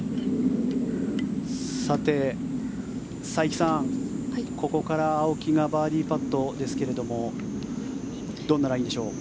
佐伯さん、ここから青木がバーディーパットですけれどもどんなラインでしょう？